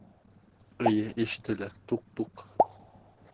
Эйе, ишетелә: туҡ-туҡ...